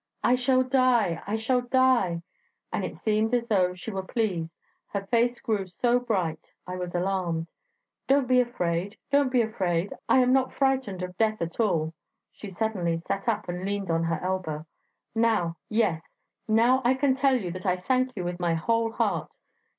'I shall die, I shall die.' And it seemed as though she were pleased; her face grew so bright; I was alarmed. 'Don't be afraid, don't be afraid! I am not frightened of death at all.' She suddenly sat up and leaned on her elbow. 'Now ... yes, now I can tell you that I thank you with my whole heart